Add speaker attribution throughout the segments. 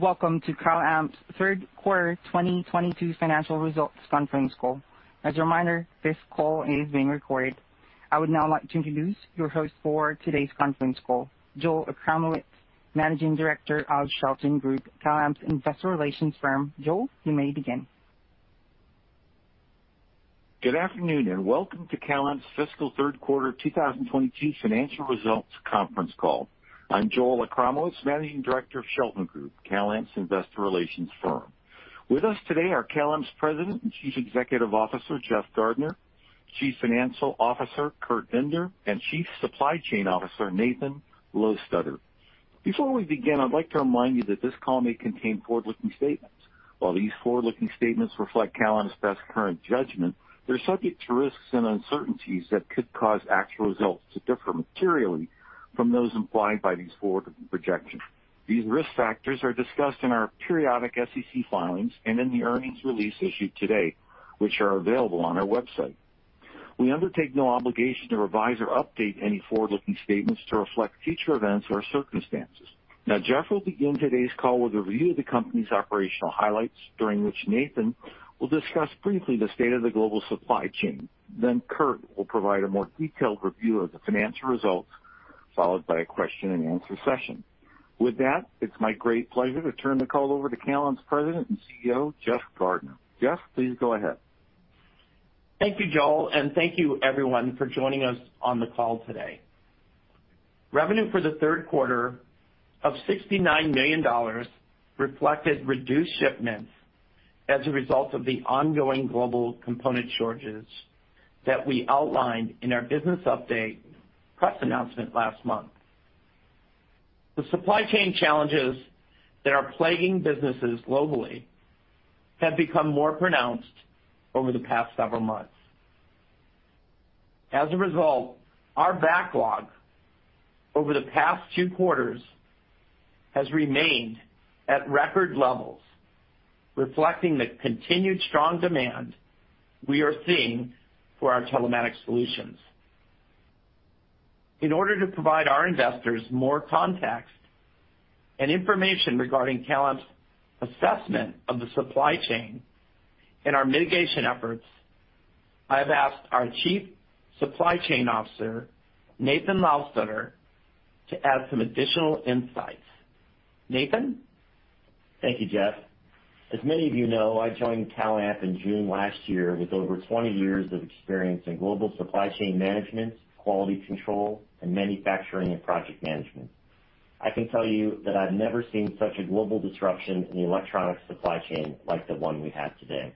Speaker 1: Welcome to CalAmp's Third Quarter 2022 Financial Results Conference Call. As a reminder, this call is being recorded. I would now like to introduce your host for today's conference call, Joel Achramowicz, Managing Director of Shelton Group, CalAmp's investor relations firm. Joel, you may begin.
Speaker 2: Good afternoon, and welcome to CalAmp's Fiscal Third Quarter 2022 Financial Results Conference Call. I'm Joel Achramowicz, Managing Director of Shelton Group, CalAmp's investor relations firm. With us today are CalAmp's President and Chief Executive Officer, Jeff Gardner, Chief Financial Officer, Kurt Binder, and Chief Supply Chain Officer, Nathan Lowstuter. Before we begin, I'd like to remind you that this call may contain forward-looking statements. While these forward-looking statements reflect CalAmp's best current judgment, they're subject to risks and uncertainties that could cause actual results to differ materially from those implied by these forward-looking projections. These risk factors are discussed in our periodic SEC filings and in the earnings release issued today, which are available on our website. We undertake no obligation to revise or update any forward-looking statements to reflect future events or circumstances. Now, Jeff will begin today's call with a review of the company's operational highlights, during which Nathan will discuss briefly the state of the global supply chain. Kurt will provide a more detailed review of the financial results, followed by a question-and-answer session. With that, it's my great pleasure to turn the call over to CalAmp's President and CEO, Jeff Gardner. Jeff, please go ahead.
Speaker 3: Thank you, Joel, and thank you everyone for joining us on the call today. Revenue for the third quarter of $69 million reflected reduced shipments as a result of the ongoing global component shortages that we outlined in our business update press announcement last month. The supply chain challenges that are plaguing businesses globally have become more pronounced over the past several months. As a result, our backlog over the past two quarters has remained at record levels, reflecting the continued strong demand we are seeing for our telematics solutions. In order to provide our investors more context and information regarding CalAmp's assessment of the supply chain and our mitigation efforts, I have asked our Chief Supply Chain Officer, Nathan Lowstuter, to add some additional insights. Nathan.
Speaker 4: Thank you, Jeff. As many of you know, I joined CalAmp in June last year with over 20 years of experience in global supply chain management, quality control, and manufacturing and project management. I can tell you that I've never seen such a global disruption in the electronic supply chain like the one we have today.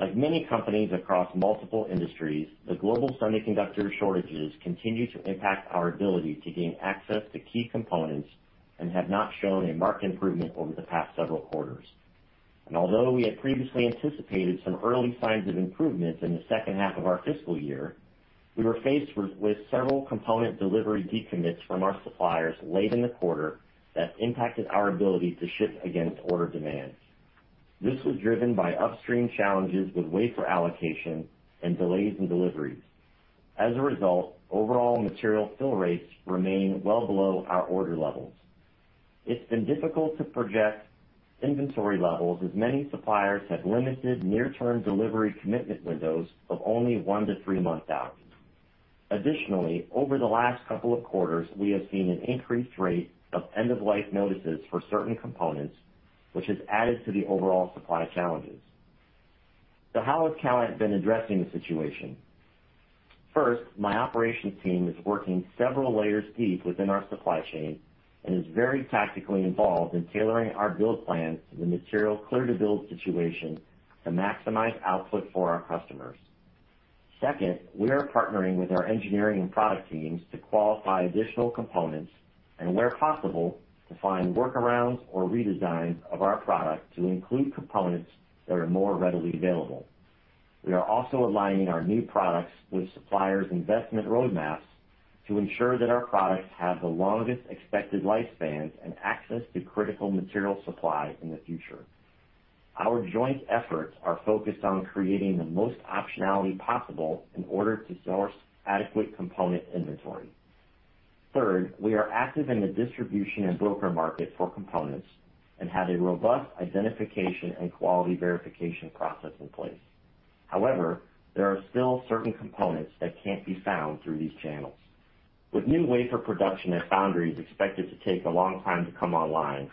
Speaker 4: Like many companies across multiple industries, the global semiconductor shortages continue to impact our ability to gain access to key components and have not shown a marked improvement over the past several quarters. Although we had previously anticipated some early signs of improvement in the second half of our fiscal year, we were faced with several component delivery decommits from our suppliers late in the quarter that impacted our ability to ship against order demands. This was driven by upstream challenges with wafer allocation and delays in deliveries. As a result, overall material fill rates remain well below our order levels. It's been difficult to project inventory levels as many suppliers have limited near-term delivery commitment windows of only one to three months out. Additionally, over the last couple of quarters, we have seen an increased rate of end-of-life notices for certain components, which has added to the overall supply challenges. How has CalAmp been addressing the situation? First, my operations team is working several layers deep within our supply chain and is very tactically involved in tailoring our build plans to the material clear-to-build situation to maximize output for our customers. Second, we are partnering with our engineering and product teams to qualify additional components and where possible, to find workarounds or redesigns of our product to include components that are more readily available. We are also aligning our new products with suppliers' investment roadmaps to ensure that our products have the longest expected lifespans and access to critical material supply in the future. Our joint efforts are focused on creating the most optionality possible in order to source adequate component inventory. Third, we are active in the distribution and broker market for components and have a robust identification and quality verification process in place. However, there are still certain components that can't be found through these channels. With new wafer production at foundries expected to take a long time to come online,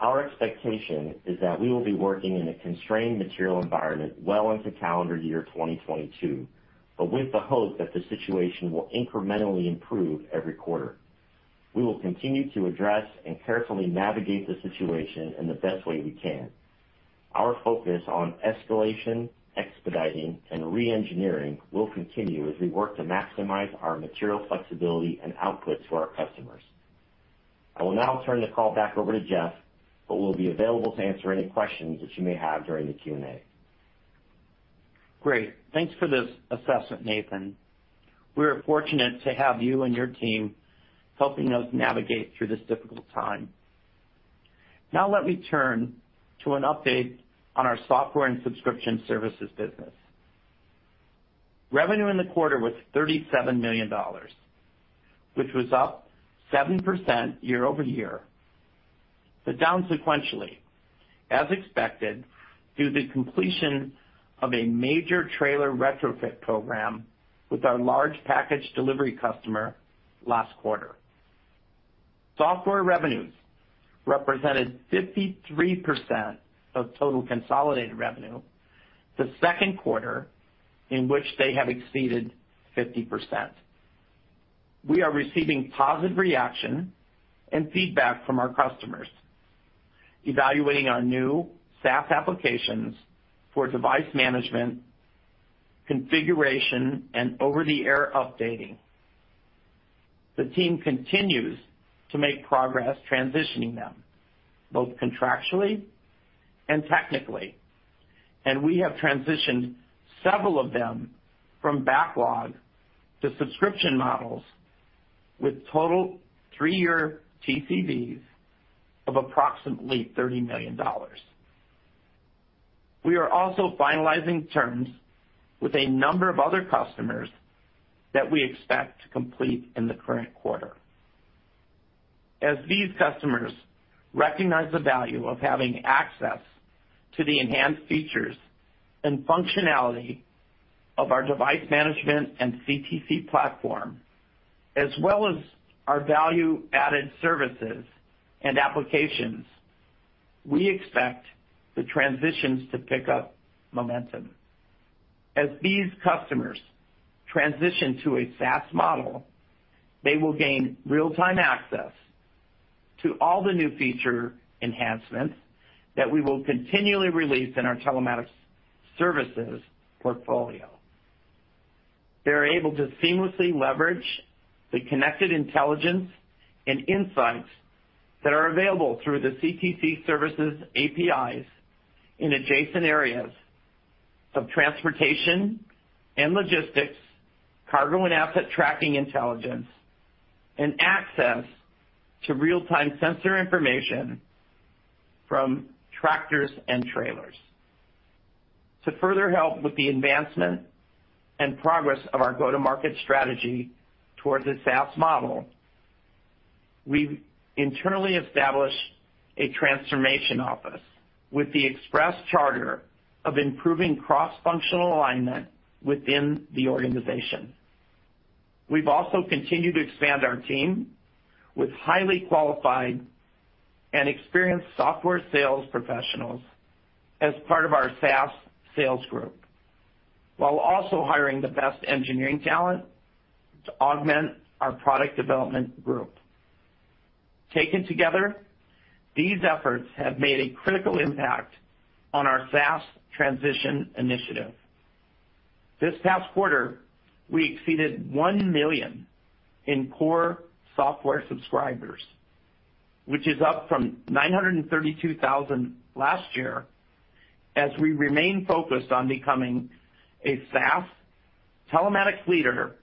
Speaker 4: our expectation is that we will be working in a constrained material environment well into calendar year 2022, but with the hope that the situation will incrementally improve every quarter. We will continue to address and carefully navigate the situation in the best way we can. Our focus on escalation, expediting, and re-engineering will continue as we work to maximize our material flexibility and output to our customers. I will now turn the call back over to Jeff, but we'll be available to answer any questions that you may have during the Q&A.
Speaker 3: Great. Thanks for this assessment, Nathan. We are fortunate to have you and your team helping us navigate through this difficult time. Now let me turn to an update on our software and subscription services business. Revenue in the quarter was $37 million, which was up 7% year-over-year, but down sequentially as expected, due to the completion of a major trailer retrofit program with our large package delivery customer last quarter. Software revenues represented 53% of total consolidated revenue, the second quarter in which they have exceeded 50%. We are receiving positive reaction and feedback from our customers evaluating our new SaaS applications for device management, configuration, and over-the-air updating. The team continues to make progress transitioning them both contractually and technically, and we have transitioned several of them from backlog to subscription models with total three-year TCVs of approximately $30 million. We are also finalizing terms with a number of other customers that we expect to complete in the current quarter. As these customers recognize the value of having access to the enhanced features and functionality of our device management and CTC platform, as well as our value-added services and applications, we expect the transitions to pick up momentum. As these customers transition to a SaaS model, they will gain real-time access to all the new feature enhancements that we will continually release in our telematics services portfolio. They are able to seamlessly leverage the connected intelligence and insights that are available through the CTC services APIs in adjacent areas of transportation and logistics, cargo and asset tracking intelligence, and access to real-time sensor information from tractors and trailers. To further help with the advancement and progress of our go-to-market strategy towards the SaaS model, we've internally established a transformation office with the express charter of improving cross-functional alignment within the organization. We've also continued to expand our team with highly qualified and experienced software sales professionals as part of our SaaS sales group, while also hiring the best engineering talent to augment our product development group. Taken together, these efforts have made a critical impact on our SaaS transition initiative. This past quarter, we exceeded 1 million in core software subscribers, which is up from 932,000 last year, as we remain focused on becoming a SaaS telematics leader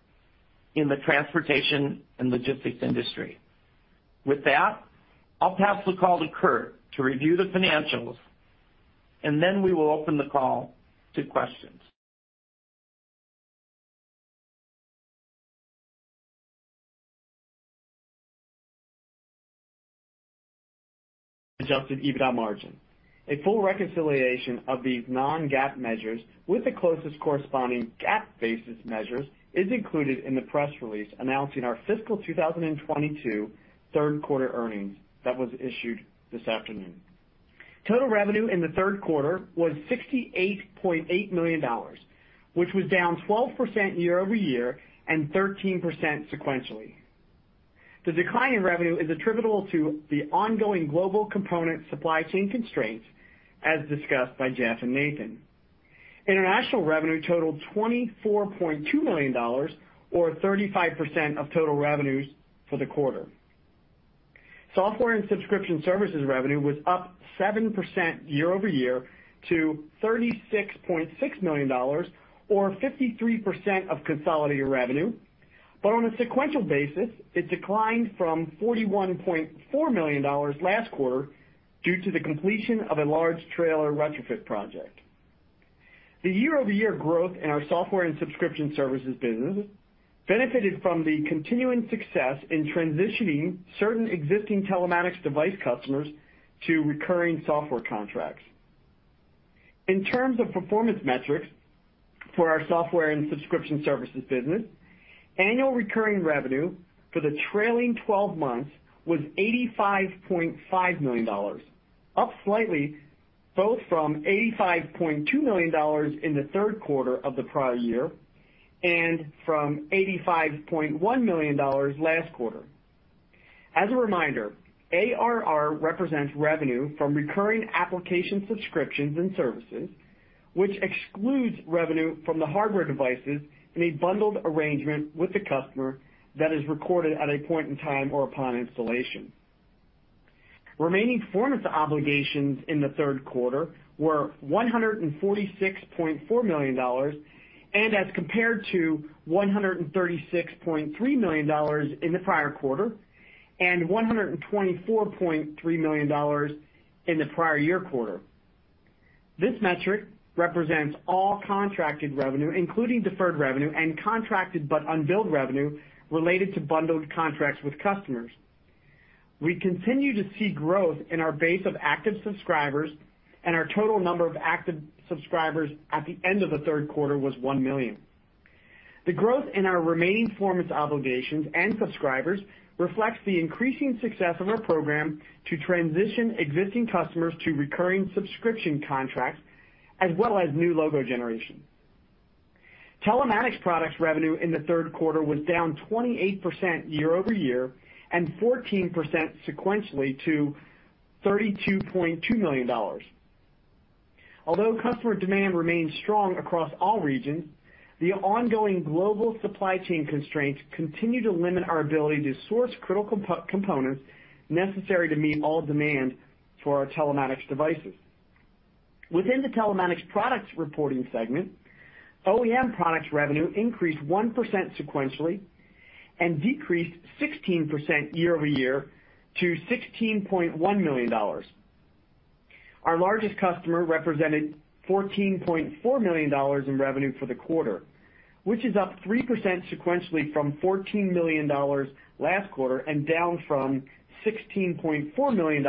Speaker 3: in the transportation and logistics industry. With that, I'll pass the call to Kurt to review the financials, and then we will open the call to questions.
Speaker 5: Adjusted EBITDA margin. A full reconciliation of these non-GAAP measures with the closest corresponding GAAP-basis measures is included in the press release announcing our fiscal 2022 third quarter earnings that was issued this afternoon. Total revenue in the third quarter was $68.8 million, which was down 12% year-over-year and 13% sequentially. The decline in revenue is attributable to the ongoing global component supply chain constraints, as discussed by Jeff and Nathan. International revenue totaled $24.2 million or 35% of total revenues for the quarter. Software and subscription services revenue was up 7% year-over-year to $36.6 million or 53% of consolidated revenue. On a sequential basis, it declined from $41.4 million last quarter due to the completion of a large trailer retrofit project. The year-over-year growth in our software and subscription services business benefited from the continuing success in transitioning certain existing telematics device customers to recurring software contracts. In terms of performance metrics for our software and subscription services business, annual recurring revenue for the trailing twelve months was $85.5 million, up slightly both from $85.2 million in the third quarter of the prior year and from $85.1 million last quarter. As a reminder, ARR represents revenue from recurring application subscriptions and services, which excludes revenue from the hardware devices in a bundled arrangement with the customer that is recorded at a point in time or upon installation. Remaining performance obligations in the third quarter were $146.4 million, and as compared to $136.3 million in the prior quarter and $124.3 million in the prior year quarter. This metric represents all contracted revenue, including deferred revenue and contracted but unbilled revenue related to bundled contracts with customers. We continue to see growth in our base of active subscribers and our total number of active subscribers at the end of the third quarter was 1 million. The growth in our remaining performance obligations and subscribers reflects the increasing success of our program to transition existing customers to recurring subscription contracts as well as new logo generation. Telematics products revenue in the third quarter was down 28% year-over-year and 14% sequentially to $32.2 million. Although customer demand remains strong across all regions, the ongoing global supply chain constraints continue to limit our ability to source critical components necessary to meet all demand for our telematics devices. Within the telematics products reporting segment, OEM products revenue increased 1% sequentially and decreased 16% year-over-year to $16.1 million. Our largest customer represented $14.4 million in revenue for the quarter, which is up 3% sequentially from $14 million last quarter and down from $16.4 million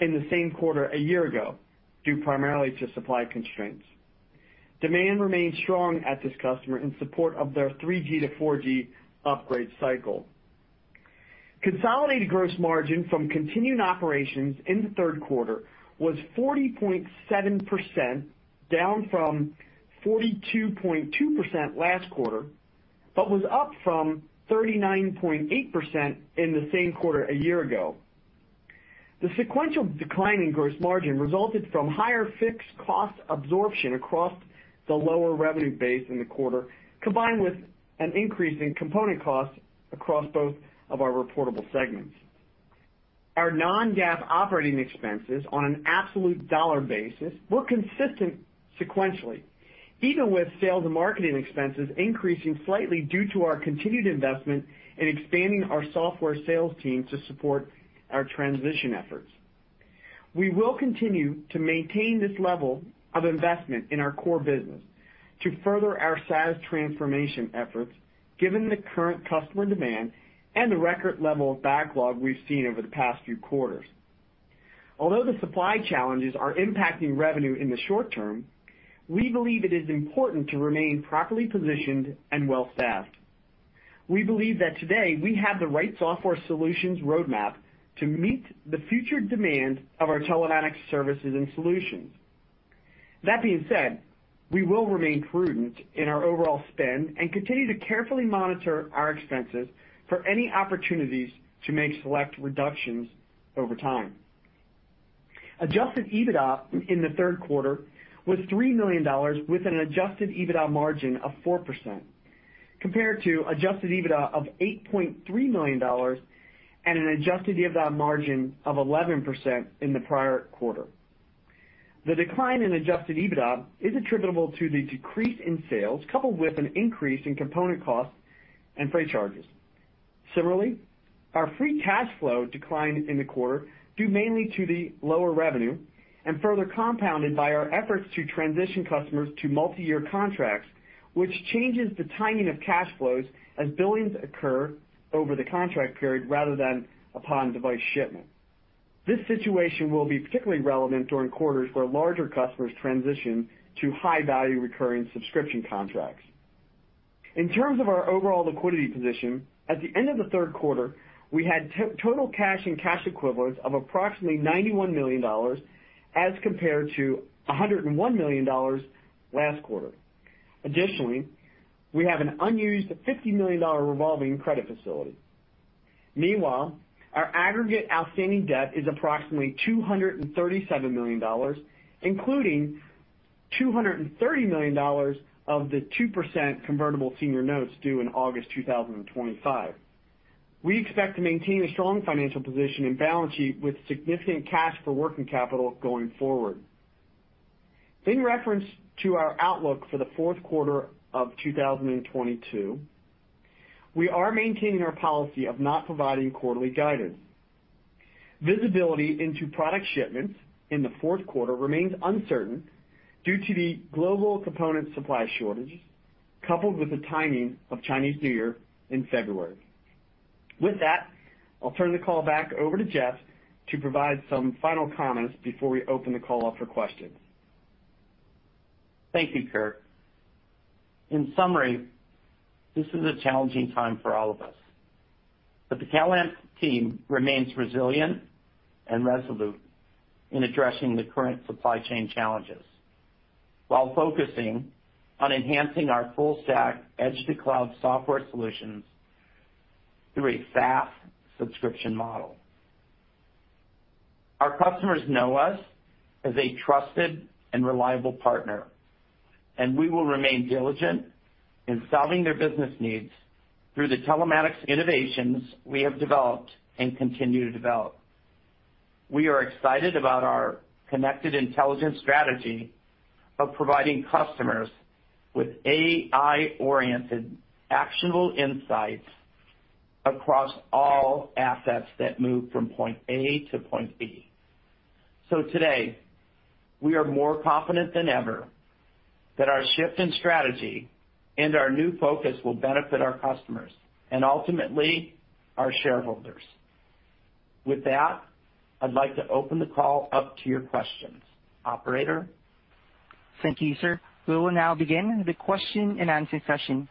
Speaker 5: in the same quarter a year ago, due primarily to supply constraints. Demand remains strong at this customer in support of their 3G to 4G upgrade cycle. Consolidated gross margin from continuing operations in the third quarter was 40.7%, down from 42.2% last quarter, but was up from 39.8% in the same quarter a year ago. The sequential decline in gross margin resulted from higher fixed cost absorption across the lower revenue base in the quarter, combined with an increase in component costs across both of our reportable segments. Our non-GAAP operating expenses on an absolute dollar basis were consistent sequentially, even with sales and marketing expenses increasing slightly due to our continued investment in expanding our software sales team to support our transition efforts. We will continue to maintain this level of investment in our core business to further our SaaS transformation efforts given the current customer demand and the record level of backlog we've seen over the past few quarters. Although the supply challenges are impacting revenue in the short term, we believe it is important to remain properly positioned and well staffed. We believe that today we have the right software solutions roadmap to meet the future demand of our telematics services and solutions. That being said, we will remain prudent in our overall spend and continue to carefully monitor our expenses for any opportunities to make select reductions over time. Adjusted EBITDA in the third quarter was $3 million with an adjusted EBITDA margin of 4%, compared to adjusted EBITDA of $8.3 million and an adjusted EBITDA margin of 11% in the prior quarter. The decline in adjusted EBITDA is attributable to the decrease in sales, coupled with an increase in component costs and freight charges. Similarly, our free cash flow declined in the quarter due mainly to the lower revenue and further compounded by our efforts to transition customers to multiyear contracts, which changes the timing of cash flows as billings occur over the contract period rather than upon device shipment. This situation will be particularly relevant during quarters where larger customers transition to high-value recurring subscription contracts. In terms of our overall liquidity position, at the end of the third quarter, we had total cash and cash equivalents of approximately $91 million as compared to $101 million last quarter. Additionally, we have an unused $50 million revolving credit facility. Meanwhile, our aggregate outstanding debt is approximately $237 million, including $230 million of the 2% convertible senior notes due in August 2025. We expect to maintain a strong financial position and balance sheet with significant cash for working capital going forward. In reference to our outlook for the fourth quarter of 2022, we are maintaining our policy of not providing quarterly guidance. Visibility into product shipments in the fourth quarter remains uncertain due to the global component supply shortages coupled with the timing of Chinese New Year in February. With that, I'll turn the call back over to Jeff to provide some final comments before we open the call up for questions.
Speaker 3: Thank you Kurt. In summary, this is a challenging time for all of us, but the CalAmp team remains resilient and resolute in addressing the current supply chain challenges while focusing on enhancing our full-stack edge to cloud software solutions through a SaaS subscription model. Our customers know us as a trusted and reliable partner, and we will remain diligent in solving their business needs through the telematics innovations we have developed and continue to develop. We are excited about our connected intelligence strategy of providing customers with AI-oriented, actionable insights across all assets that move from point A to point B. Today, we are more confident than ever that our shift in strategy and our new focus will benefit our customers and ultimately our shareholders. With that, I'd like to open the call up to your questions. Operator?
Speaker 1: Thank you sir. We will now begin the question-and-answer session.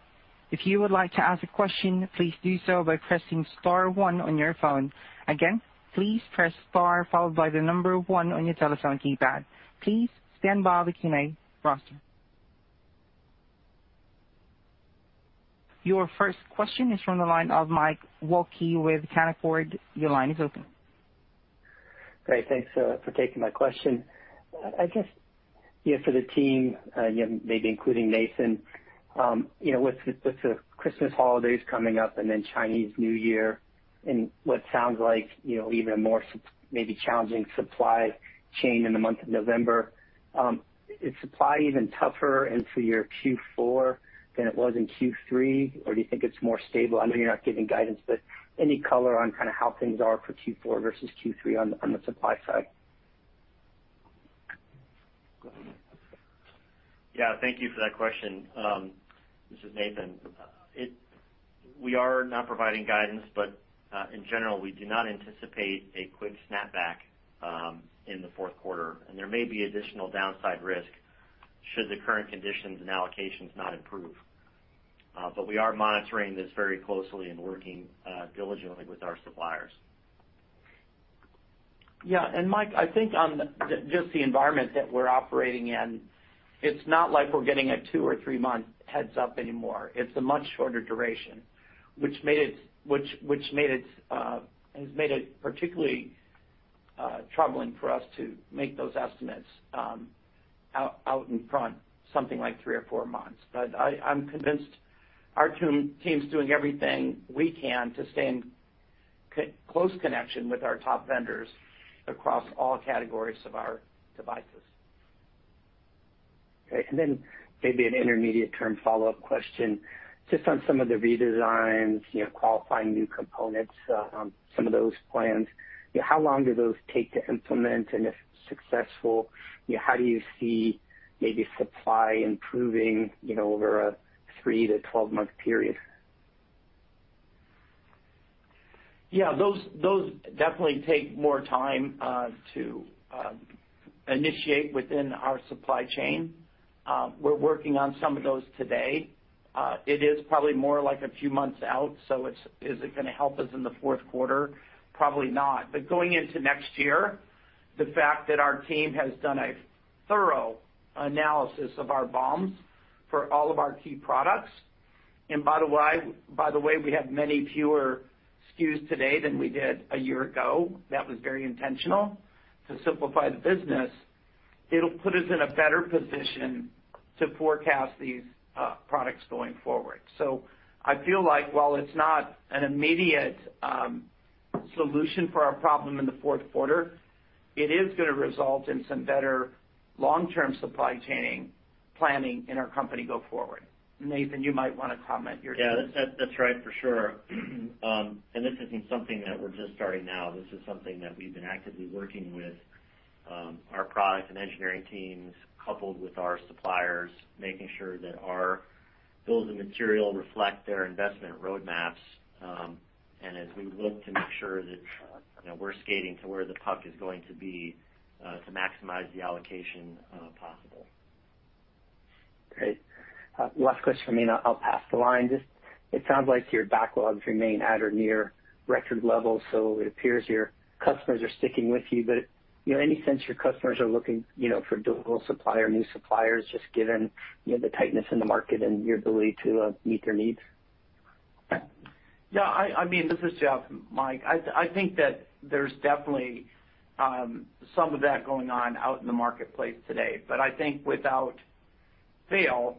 Speaker 1: If you would like to ask a question, please do so by pressing star one on your phone. Again, please press star followed by the number one on your telephone keypad. Please stand by with Q&A roster. Your first question is from the line of Mike Walkley with Canaccord Genuity. Your line is open.
Speaker 6: Great. Thanks for taking my question. I guess, you know, for the team, you know, maybe including Nathan, you know, with the Christmas holidays coming up and then Chinese New Year and what sounds like, you know, even more maybe challenging supply chain in the month of November, is supply even tougher into your Q4 than it was in Q3? Or do you think it's more stable? I know you're not giving guidance, but any color on kinda how things are for Q4 versus Q3 on the supply side?
Speaker 3: Go ahead.
Speaker 4: Thank you for that question. This is Nathan. We are not providing guidance, but in general, we do not anticipate a quick snapback in the fourth quarter. There may be additional downside risk should the current conditions and allocations not improve. We are monitoring this very closely and working diligently with our suppliers.
Speaker 3: Yeah. Mike, I think on just the environment that we're operating in, it's not like we're getting a two or three month heads-up anymore. It's a much shorter duration, which has made it particularly troubling for us to make those estimates out in front, something like three or four months. I'm convinced our team's doing everything we can to stay in close connection with our top vendors across all categories of our devices.
Speaker 6: Okay. Maybe an intermediate term follow-up question, just on some of the redesigns, you know, qualifying new components, some of those plans. You know, how long do those take to implement? If successful, you know, how do you see maybe supply improving, you know, over a three to 12-month period?
Speaker 3: Those definitely take more time to initiate within our supply chain. We're working on some of those today. It is probably more like a few months out, so it's gonna help us in the fourth quarter? Probably not. Going into next year, the fact that our team has done a thorough analysis of our BOMs for all of our key products, and by the way, we have many fewer SKUs today than we did a year ago. That was very intentional to simplify the business. It'll put us in a better position to forecast these products going forward. I feel like while it's not an immediate solution for our problem in the fourth quarter, it is gonna result in some better long-term supply chain planning in our company going forward. Nathan, you might wanna comment here too.
Speaker 4: Yeah. That's right for sure. This isn't something that we're just starting now. This is something that we've been actively working with our product and engineering teams, coupled with our suppliers, making sure that our bills of materials reflect their investment roadmaps, and as we look to make sure that, you know, we're skating to where the puck is going to be, to maximize the allocation possible.
Speaker 6: Great. Last question from me, and I'll pass the line. Just it sounds like your backlogs remain at or near record levels, so it appears your customers are sticking with you. But, you know, any sense your customers are looking, you know, for dual supplier, new suppliers, just given, you know, the tightness in the market and your ability to meet their needs?
Speaker 3: I mean, this is Jeff, Mike. I think that there's definitely some of that going on out in the marketplace today. I think without fail,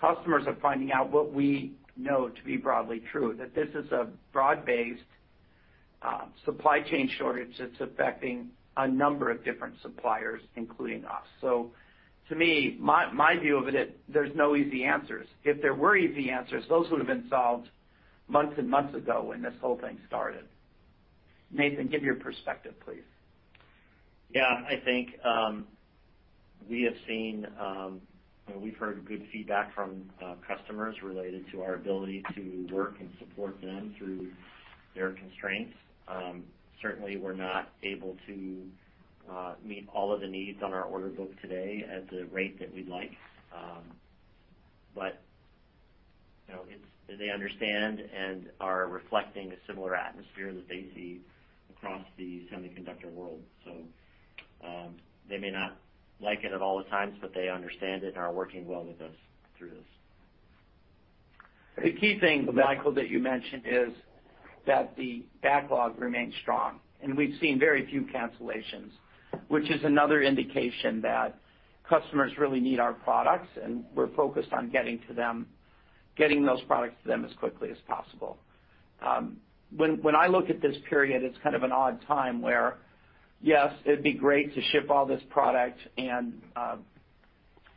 Speaker 3: customers are finding out what we know to be broadly true, that this is a broad-based supply chain shortage that's affecting a number of different suppliers, including us. To me, my view of it, there's no easy answers. If there were easy answers, those would've been solved months and months ago when this whole thing started. Nathan, give your perspective, please.
Speaker 4: Yeah. I think we have seen, you know, we've heard good feedback from customers related to our ability to work and support them through their constraints. Certainly, we're not able to meet all of the needs on our order book today at the rate that we'd like. You know, it's that they understand and are reflecting a similar atmosphere that they see across the semiconductor world. They may not like it at all the times, but they understand it and are working well with us through this.
Speaker 3: The key thing, Michael, that you mentioned is that the backlog remains strong, and we've seen very few cancellations, which is another indication that customers really need our products, and we're focused on getting those products to them as quickly as possible. When I look at this period, it's kind of an odd time where, yes, it'd be great to ship all this product and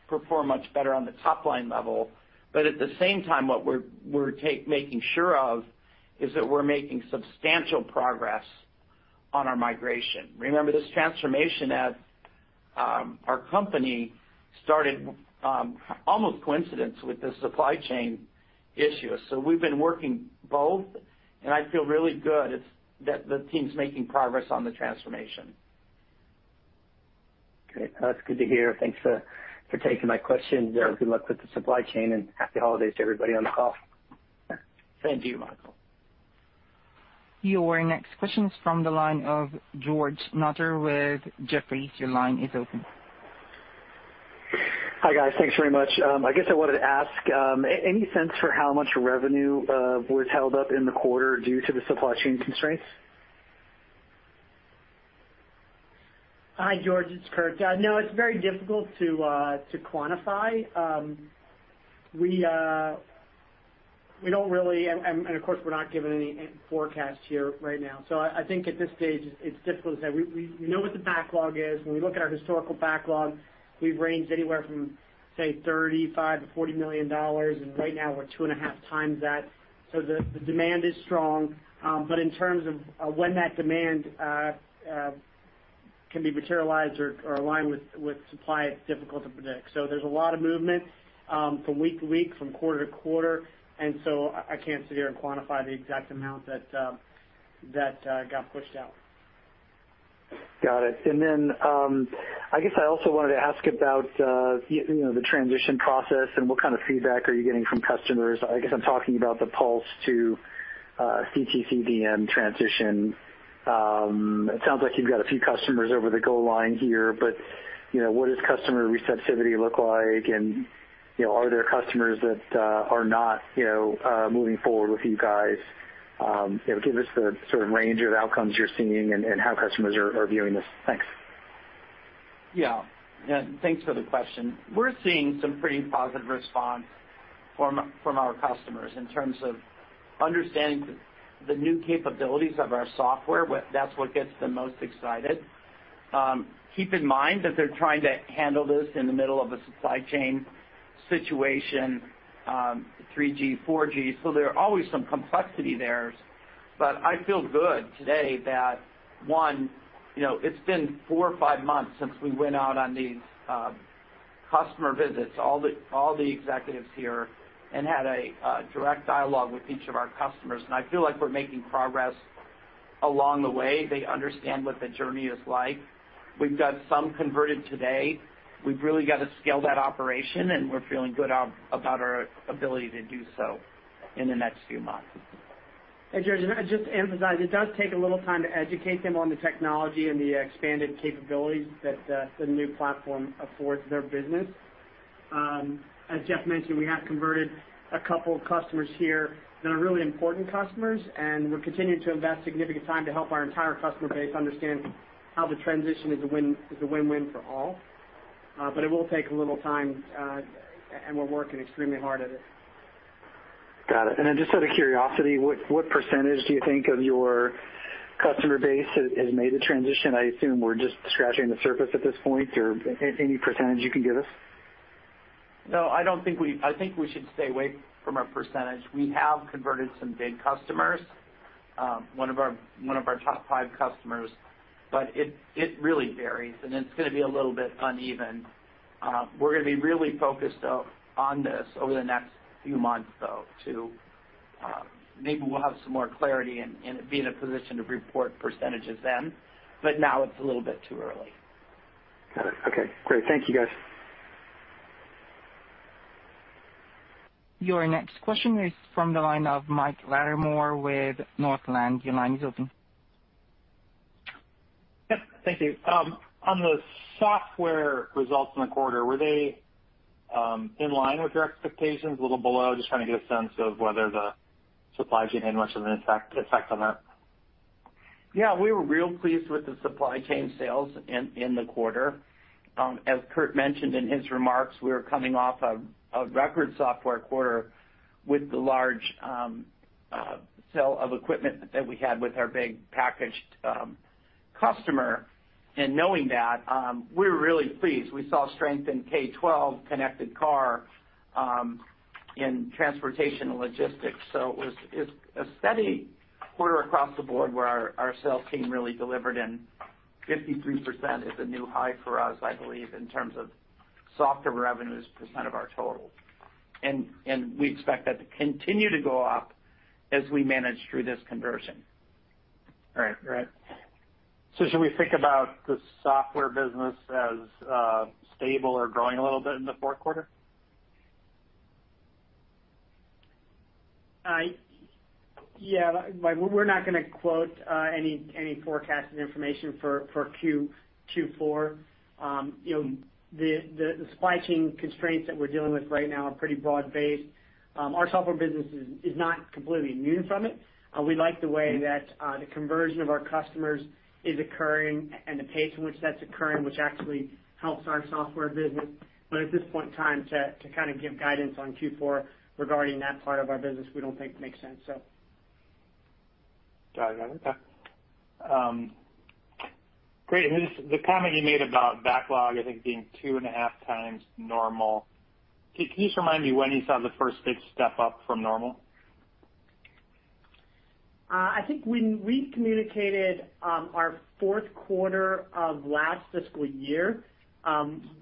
Speaker 3: perform much better on the top line level. At the same time, what we're making sure of is that we're making substantial progress on our migration. Remember this transformation at our company started almost coincident with the supply chain issue. We've been working both, and I feel really good that the team's making progress on the transformation.
Speaker 6: Okay. That's good to hear. Thanks for taking my question. Good luck with the supply chain, and happy holidays to everybody on the call.
Speaker 3: Thank you, Michael.
Speaker 1: Your next question is from the line of George Notter with Jefferies. Your line is open.
Speaker 7: Hi, guys. Thanks very much. I guess I wanted to ask, any sense for how much revenue was held up in the quarter due to the supply chain constraints?
Speaker 5: Hi, George. It's Kurt. No, it's very difficult to quantify. We don't really. Of course, we're not giving any forecast here right now. I think at this stage it's difficult to say. We know what the backlog is. When we look at our historical backlog, we've ranged anywhere from, say, $35 million-$40 million, and right now we're two and a half times that. The demand is strong. In terms of when that demand can be materialized or aligned with supply, it's difficult to predict. There's a lot of movement from week to week, from quarter to quarter, and so I can't sit here and quantify the exact amount that got pushed out.
Speaker 7: Got it. I guess I also wanted to ask about you know the transition process and what kind of feedback are you getting from customers. I guess I'm talking about the PULS to DM-CTC transition. It sounds like you've got a few customers over the goal line here, but you know what does customer receptivity look like? You know, are there customers that are not you know moving forward with you guys? You know, give us the sort of range of outcomes you're seeing and how customers are viewing this. Thanks.
Speaker 3: Yeah. Yeah, thanks for the question. We're seeing some pretty positive response from our customers in terms of understanding the new capabilities of our software. That's what gets them most excited. Keep in mind that they're trying to handle this in the middle of a supply chain situation, 3G, 4G, so there are always some complexity there. I feel good today that, one, it's been four or five months since we went out on these customer visits, all the executives here, and had a direct dialogue with each of our customers. I feel like we're making progress along the way. They understand what the journey is like. We've got some converted today. We've really got to scale that operation, and we're feeling good about our ability to do so in the next few months.
Speaker 5: George, I'd just emphasize, it does take a little time to educate them on the technology and the expanded capabilities that the new platform affords their business. As Jeff mentioned, we have converted a couple of customers here that are really important customers, and we're continuing to invest significant time to help our entire customer base understand how the transition is a win-win for all. It will take a little time, and we're working extremely hard at it.
Speaker 7: Got it. Just out of curiosity, what percentage do you think of your customer base has made the transition? I assume we're just scratching the surface at this point. Or any percentage you can give us?
Speaker 3: No, I don't think we should stay away from a percentage. We have converted some big customers, one of our top five customers, but it really varies, and it's gonna be a little bit uneven. We're gonna be really focused on this over the next few months, though, to maybe we'll have some more clarity and be in a position to report percentages then. Now it's a little bit too early.
Speaker 7: Got it. Okay. Great. Thank you, guys.
Speaker 1: Your next question is from the line of Mike Latimore with Northland Capital Markets. Your line is open.
Speaker 8: Yep. Thank you. On the software results in the quarter, were they in line with your expectations, a little below? Just trying to get a sense of whether the supply chain had much of an effect on that.
Speaker 3: Yeah. We were real pleased with the supply chain sales in the quarter. As Kurt mentioned in his remarks, we were coming off a record software quarter with the large sale of equipment that we had with our big packaged customer. Knowing that, we were really pleased. We saw strength in K-12, connected car, in transportation and logistics. It was a steady quarter across the board where our sales team really delivered, and 53% is a new high for us, I believe, in terms of software revenues percent of our total. We expect that to continue to go up as we manage through this conversion.
Speaker 8: All right. Should we think about the software business as stable or growing a little bit in the fourth quarter?
Speaker 3: Yeah, Mike, we're not gonna quote any forecasted information for Q4. You know, the supply chain constraints that we're dealing with right now are pretty broad-based. Our software business is not completely immune from it. We like the way that the conversion of our customers is occurring and the pace in which that's occurring, which actually helps our software business. At this point in time to kind of give guidance on Q4 regarding that part of our business, we don't think makes sense.
Speaker 4: Got it. Okay. Great. Just the comment you made about backlog, I think being two and a half times normal. Can you just remind me when you saw the first big step up from normal?
Speaker 5: I think when we communicated our fourth quarter of last fiscal year,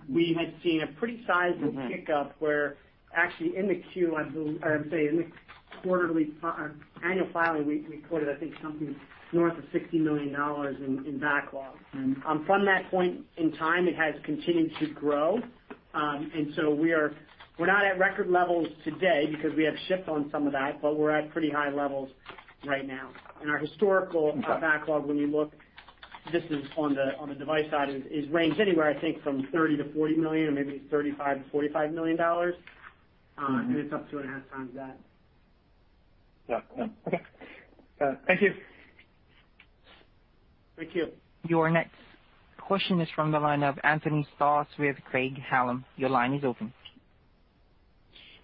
Speaker 5: we had seen a pretty sizable pick-up where actually in the annual filing, we quoted, I think, something north of $60 million in backlog. From that point in time, it has continued to grow. We're not at record levels today because we have shipped on some of that, but we're at pretty high levels right now. Our historical backlog, when you look, this is on the device side, ranges anywhere I think from $30 million-$40 million or maybe $35 million-$45 million, and it's up two and a half times that.
Speaker 4: Yeah. Yeah. Okay. Thank you.
Speaker 5: Thank you.
Speaker 1: Your next question is from the line of Anthony Stoss with Craig-Hallum. Your line is open.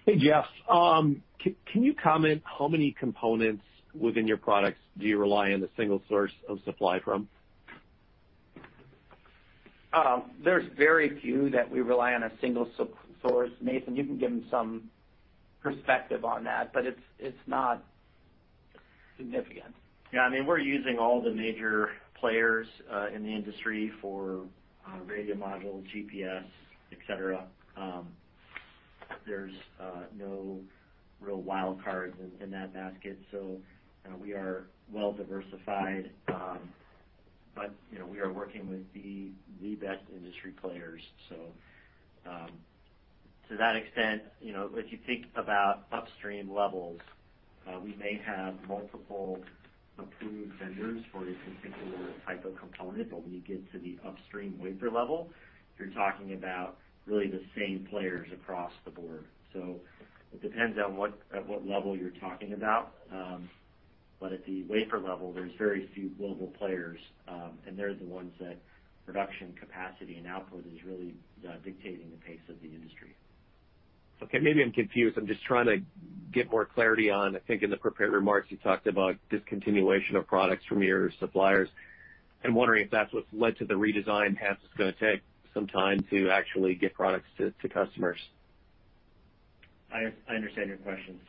Speaker 9: Hey, Jeff. Can you comment how many components within your products do you rely on a single source of supply from?
Speaker 3: There's very few that we rely on a single source. Nathan, you can give him some perspective on that, but it's not significant.
Speaker 4: Yeah, I mean, we're using all the major players in the industry for radio module, GPS, et cetera. There's no real wild cards in that basket, so we are well diversified. You know, we are working with the best industry players. To that extent, you know, if you think about upstream levels, we may have multiple approved vendors for a particular type of component, but when you get to the upstream wafer level, you're talking about really the same players across the board. It depends on what level you're talking about. At the wafer level, there's very few global players, and they're the ones that production capacity and output is really dictating the pace of the industry.
Speaker 9: Okay, maybe I'm confused. I'm just trying to get more clarity on, I think in the prepared remarks, you talked about discontinuation of products from your suppliers. I'm wondering if that's what's led to the redesign, hence it's gonna take some time to actually get products to customers.
Speaker 4: I understand your question.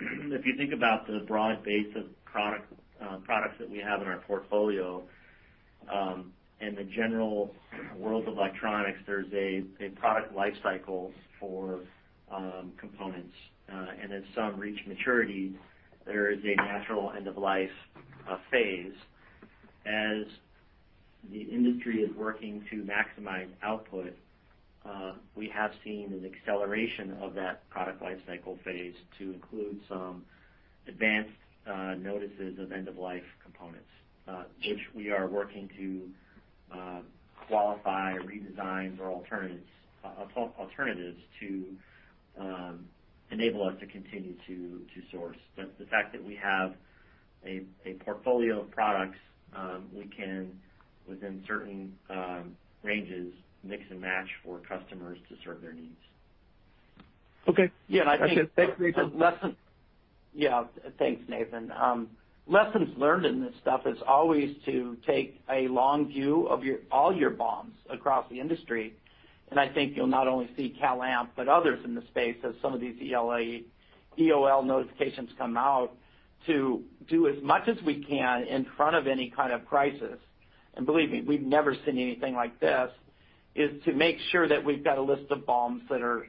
Speaker 4: If you think about the broad base of products that we have in our portfolio, and the general world of electronics, there's a product life cycle for components, and as some reach maturity, there is a natural end of life phase. As the industry is working to maximize output, we have seen an acceleration of that product life cycle phase to include some advanced notices of end of life components, which we are working to qualify, redesign for alternatives to enable us to continue to source. The fact that we have a portfolio of products, we can within certain ranges mix and match for customers to serve their needs.
Speaker 9: Okay.
Speaker 5: Yeah. I think-
Speaker 9: That's it. Thanks, Nathan.
Speaker 3: Thanks, Nathan. Lessons learned in this stuff is always to take a long view of all your BOMs across the industry, and I think you'll not only see CalAmp but others in the space as some of these EOL notifications come out to do as much as we can in front of any kind of crisis, and believe me, we've never seen anything like this, is to make sure that we've got a list of BOMs that are,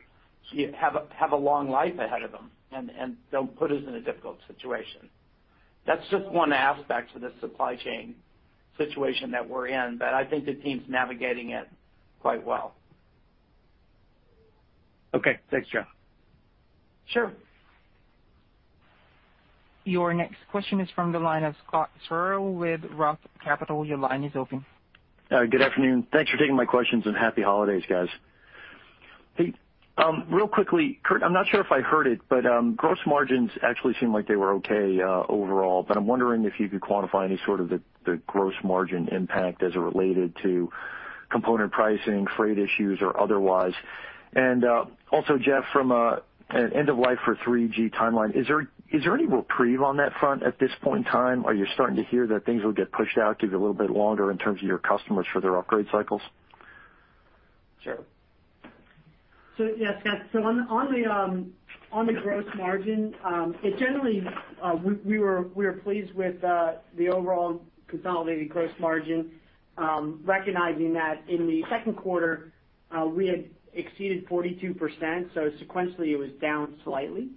Speaker 3: you know, have a long life ahead of them and don't put us in a difficult situation. That's just one aspect to this supply chain situation that we're in, but I think the team's navigating it quite well.
Speaker 9: Okay. Thanks, Jeff.
Speaker 3: Sure.
Speaker 1: Your next question is from the line of Scott Searle with Roth Capital Partners. Your line is open.
Speaker 10: Good afternoon. Thanks for taking my questions, and happy holidays, guys. Hey, real quickly, Kurt, I'm not sure if I heard it, but gross margins actually seemed like they were okay overall, but I'm wondering if you could quantify any sort of the gross margin impact as it related to component pricing, freight issues, or otherwise. Also, Jeff, from an end of life for 3G timeline, is there any reprieve on that front at this point in time? Are you starting to hear that things will get pushed out, give you a little bit longer in terms of your customers for their upgrade cycles?
Speaker 5: Sure. Yeah, Scott, on the gross margin, we are pleased with the overall consolidated gross margin, recognizing that in the second quarter, we had exceeded 42%, so sequentially, it was down slightly.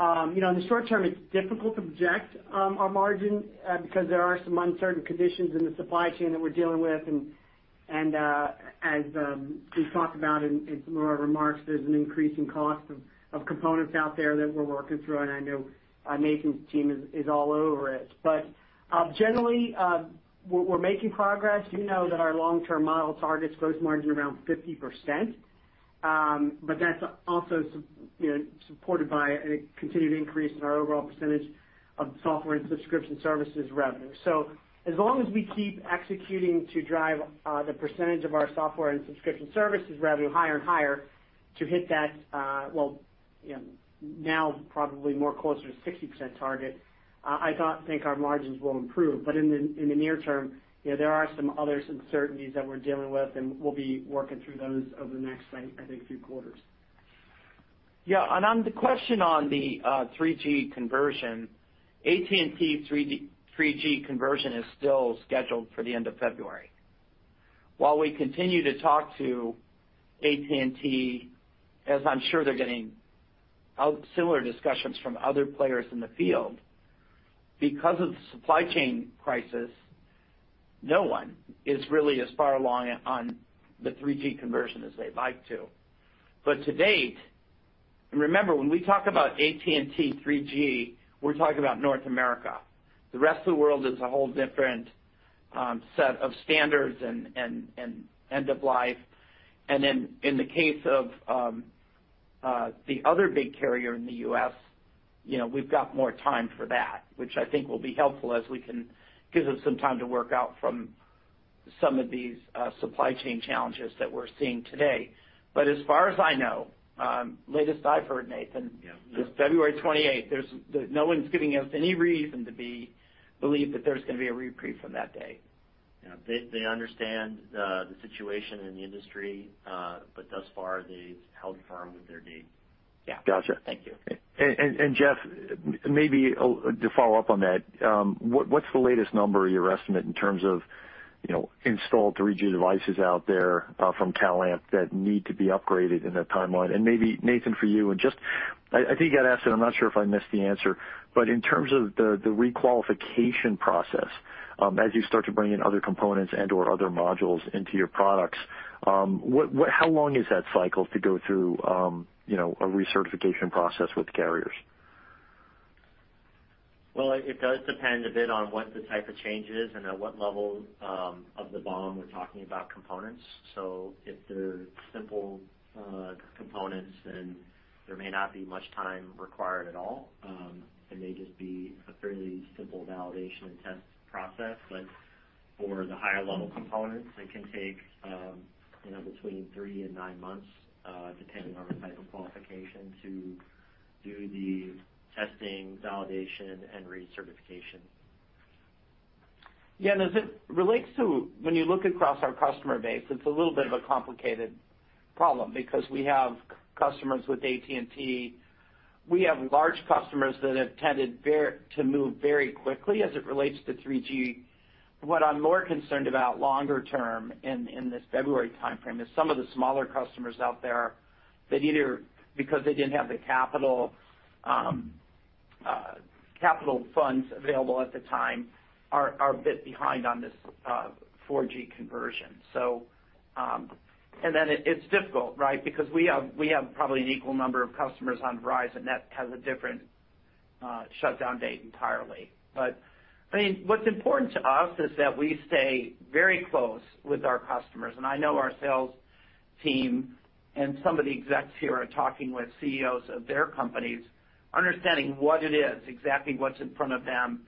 Speaker 5: You know, in the short term, it's difficult to project our margin because there are some uncertain conditions in the supply chain that we're dealing with, and as we've talked about in some of our remarks, there's an increase in cost of components out there that we're working through, and I know Nathan's team is all over it. Generally, we're making progress. You know that our long-term model targets gross margin around 50%, but that's also supported by a continued increase in our overall percentage of software and subscription services revenue. As long as we keep executing to drive the percentage of our software and subscription services revenue higher and higher-
Speaker 3: To hit that, well, you know, now probably more closer to 60% target, I think our margins will improve. But in the near term, you know, there are some other uncertainties that we're dealing with, and we'll be working through those over the next, I think, few quarters. Yeah. On the question on the 3G conversion, AT&T 3G conversion is still scheduled for the end of February. While we continue to talk to AT&T, as I'm sure they're getting similar discussions from other players in the field, because of the supply chain crisis, no one is really as far along on the 3G conversion as they'd like to. But to date, and remember, when we talk about AT&T 3G, we're talking about North America. The rest of the world is a whole different set of standards and end of life. Then in the case of the other big carrier in the US, you know, we've got more time for that, which I think will be helpful as we can give us some time to work out from some of these supply chain challenges that we're seeing today. But as far as I know, latest I've heard, Nathan.
Speaker 4: Yeah.
Speaker 3: It is February 28. No one's giving us any reason to believe that there's gonna be a reprieve from that day.
Speaker 4: Yeah. They understand the situation in the industry, but thus far, they've held firm with their date.
Speaker 3: Yeah.
Speaker 10: Gotcha.
Speaker 4: Thank you.
Speaker 10: Jeff, maybe to follow up on that, what's the latest number or your estimate in terms of, you know, installed 3G devices out there from CalAmp that need to be upgraded in that timeline? Maybe, Nathan, for you, just I think I'd asked, and I'm not sure if I missed the answer, but in terms of the requalification process, as you start to bring in other components and/or other modules into your products, how long is that cycle to go through, you know, a recertification process with carriers?
Speaker 4: Well, it does depend a bit on what the type of change is and at what level of the BOM we're talking about components. If they're simple components, then there may not be much time required at all. It may just be a fairly simple validation and test process. For the higher level components, it can take, you know, between three and nine months, depending on the type of qualification to do the testing, validation, and recertification.
Speaker 3: Yeah. As it relates to when you look across our customer base, it's a little bit of a complicated problem because we have customers with AT&T. We have large customers that have tended to move very quickly as it relates to 3G. What I'm more concerned about longer term in this February timeframe is some of the smaller customers out there that either, because they didn't have the capital funds available at the time, are a bit behind on this 4G conversion. It's difficult, right? Because we have probably an equal number of customers on Verizon that has a different shutdown date entirely. I mean, what's important to us is that we stay very close with our customers. I know our sales team and some of the execs here are talking with CEOs of their companies, understanding what it is, exactly what's in front of them,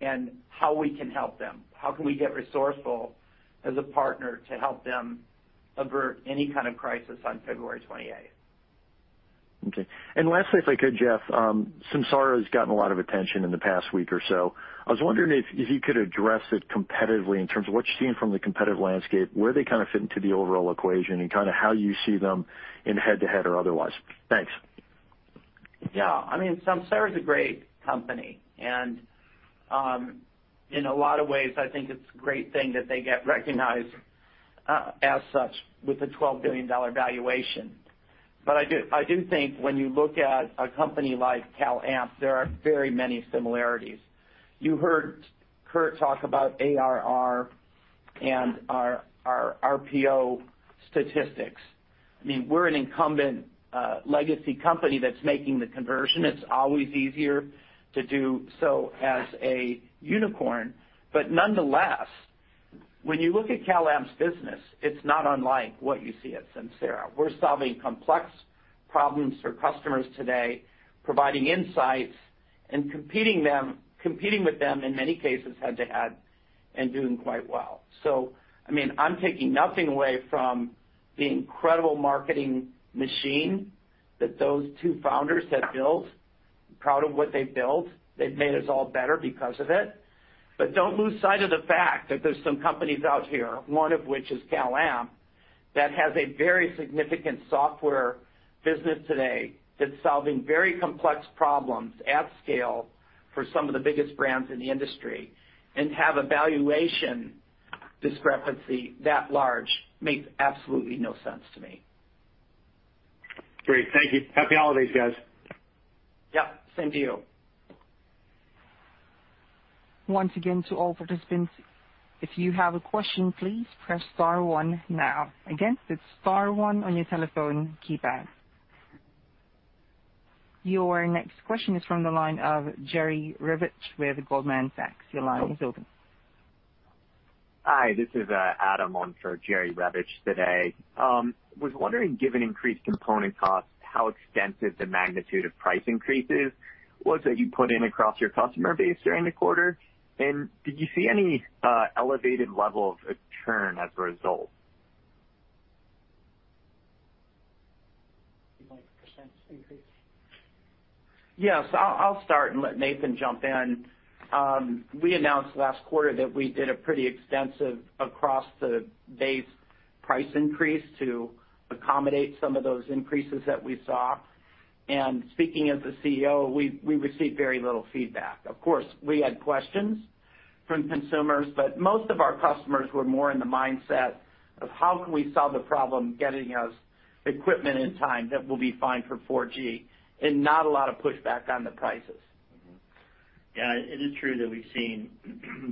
Speaker 3: and how we can help them, how can we get resourceful as a partner to help them avert any kind of crisis on February twenty-eighth.
Speaker 10: Okay. Lastly, if I could, Jeff, Samsara has gotten a lot of attention in the past week or so. I was wondering if you could address it competitively in terms of what you're seeing from the competitive landscape, where they kind of fit into the overall equation and kind of how you see them in head-to-head or otherwise. Thanks.
Speaker 3: Yeah. I mean, Samsara is a great company, and in a lot of ways, I think it's a great thing that they get recognized as such with a $12 billion valuation. I do think when you look at a company like CalAmp, there are very many similarities. You heard Kurt talk about ARR and our RPO statistics. I mean, we're an incumbent, legacy company that's making the conversion. It's always easier to do so as a unicorn. Nonetheless, when you look at CalAmp's business, it's not unlike what you see at Samsara. We're solving complex problems for customers today, providing insights and competing with them in many cases head-to-head and doing quite well. I mean, I'm taking nothing away from the incredible marketing machine that those two founders have built. I'm proud of what they've built. They've made us all better because of it. Don't lose sight of the fact that there's some companies out here, one of which is CalAmp, that has a very significant software business today that's solving very complex problems at scale for some of the biggest brands in the industry, and to have a valuation discrepancy that large makes absolutely no sense to me.
Speaker 10: Great. Thank you. Happy holidays, guys.
Speaker 3: Yep. Same to you.
Speaker 1: Once again, to all participants, if you have a question, please press star one now. Again, it's star one on your telephone keypad. Your next question is from the line of Jerry Revich with Goldman Sachs. Your line is open.
Speaker 11: Hi, this is Adam on for Jerry Revich today. Was wondering, given increased component costs, how extensive the magnitude of price increases was that you put in across your customer base during the quarter, and did you see any elevated level of churn as a result?
Speaker 3: Yes, I'll start and let Nathan jump in. We announced last quarter that we did a pretty extensive across-the-board price increase to accommodate some of those increases that we saw. Speaking as a CEO, we received very little feedback. Of course, we had questions from consumers, but most of our customers were more in the mindset of how can we solve the problem getting us equipment in time that will be fine for 4G and not a lot of pushback on the prices.
Speaker 4: Yeah. It is true that we've seen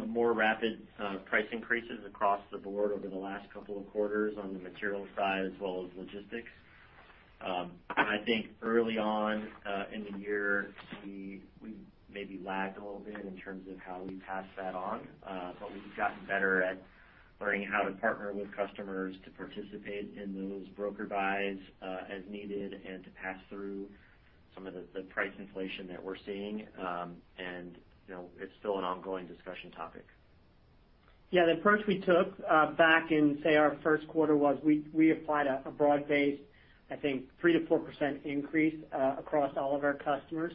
Speaker 4: more rapid price increases across the board over the last couple of quarters on the material side as well as logistics. I think early on in the year, we maybe lagged a little bit in terms of how we passed that on, but we've gotten better at learning how to partner with customers to participate in those broker buys as needed and to pass through some of the price inflation that we're seeing. You know, it's still an ongoing discussion topic.
Speaker 5: Yeah. The approach we took back in, say, our first quarter was we applied a broad-based, I think 3%-4% increase across all of our customers.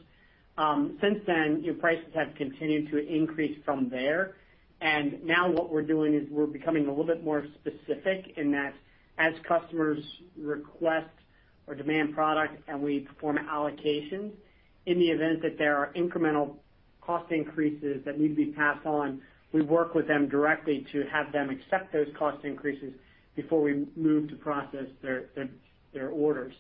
Speaker 5: Since then, prices have continued to increase from there. Now what we're doing is we're becoming a little bit more specific in that as customers request or demand product and we perform allocations, in the event that there are incremental cost increases that need to be passed on, we work with them directly to have them accept those cost increases before we move to process their orders.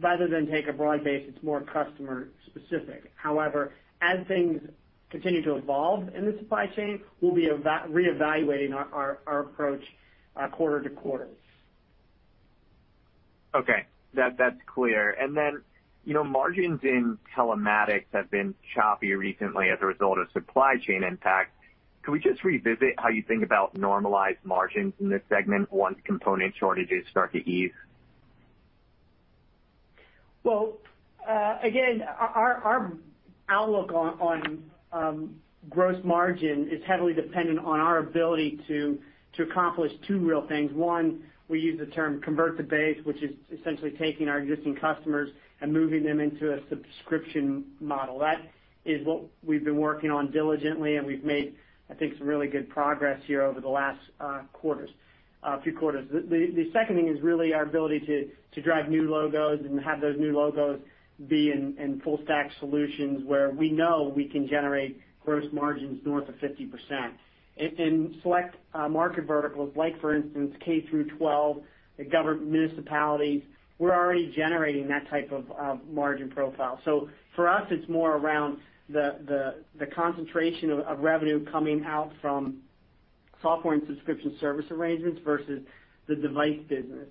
Speaker 5: Rather than take a broad base, it's more customer specific. However, as things continue to evolve in the supply chain, we'll be reevaluating our approach quarter to quarter.
Speaker 11: Okay. That's clear. You know, margins in telematics have been choppy recently as a result of supply chain impact. Can we just revisit how you think about normalized margins in this segment once component shortages start to ease?
Speaker 5: Well, again, our outlook on gross margin is heavily dependent on our ability to accomplish two real things. One, we use the term convert to base, which is essentially taking our existing customers and moving them into a subscription model. That is what we've been working on diligently, and we've made, I think, some really good progress here over the last few quarters. The second thing is really our ability to drive new logos and have those new logos be in full stack solutions where we know we can generate gross margins north of 50%. In select market verticals, like for instance, K-12, the government municipalities, we're already generating that type of margin profile. For us, it's more around the concentration of revenue coming out from software and subscription service arrangements versus the device business.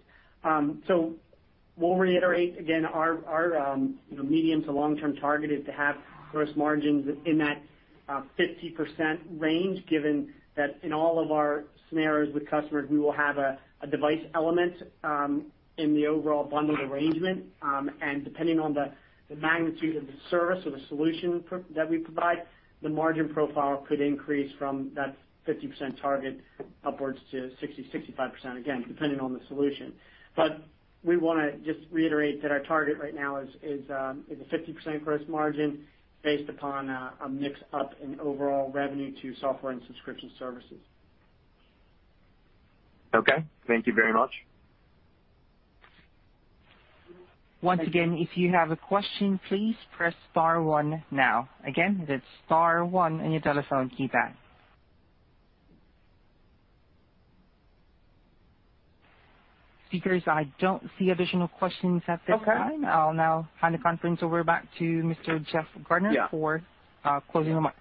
Speaker 5: We'll reiterate again our you know medium to long-term target is to have gross margins in that 50% range, given that in all of our scenarios with customers, we will have a device element in the overall bundled arrangement. And depending on the magnitude of the service or the solution pr- that we provide, the margin profile could increase from that 50% target upwards to 60%-65%, again, depending on the solution. We wanna just reiterate that our target right now is a 50% gross margin based upon a mix of overall revenue to software and subscription services.
Speaker 11: Okay. Thank you very much.
Speaker 1: Once again, if you have a question, please press star one now. Again, that's star one on your telephone keypad. Speakers, I don't see additional questions at this time.
Speaker 2: Okay. I'll now hand the conference over back to Mr. Jeff Gardner.
Speaker 5: Yeah.
Speaker 3: for closing remarks.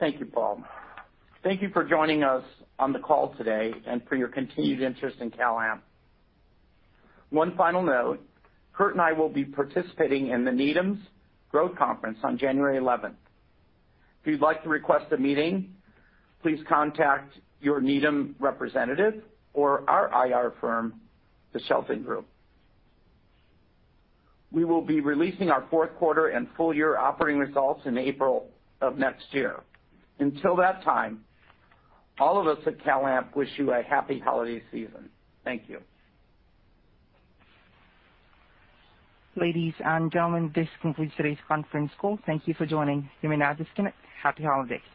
Speaker 3: Thank you, Paul. Thank you for joining us on the call today and for your continued interest in CalAmp. One final note. Kurt and I will be participating in the Needham Growth Conference on January 11th. If you'd like to request a meeting, please contact your Needham representative or our IR firm, the Shelton Group. We will be releasing our fourth quarter and full year operating results in April of next year. Until that time, all of us at CalAmp wish you a happy holiday season. Thank you.
Speaker 1: Ladies and gentlemen, this concludes today's conference call. Thank you for joining. You may now disconnect. Happy holidays.